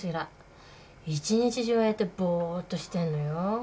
一日中ああやってぼっとしてんのよ。